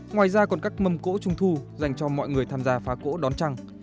ngoài ra còn các mâm cỗ trung thu dành cho mọi người tham gia phá cỗ đón trăng